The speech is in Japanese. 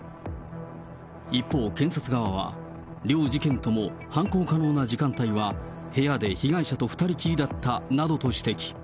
一方、検察側は、両事件とも犯行可能な時間帯は、部屋で被害者と２人きりだったなどと指摘。